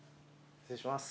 失礼します。